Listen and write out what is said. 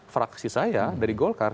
fraksi saya dari golkar